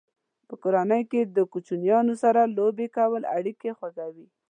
په کورنۍ کې د کوچنیانو سره لوبې کول اړیکې خوږوي.